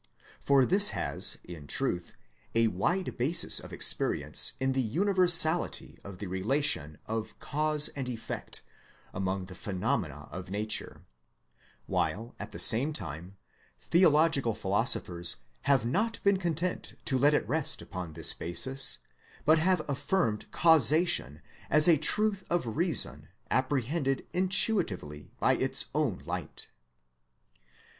For this has in truth a wide basis of experience in the universality of the re lation of Cause and Effect among the phenomena of EVIDENCES OF THEISM nature ; while at the same time, theological philoso phers have not been content to let it rest upon this basis, but have affirmed Causation as a truth of reason apprehended intuitively by its own light.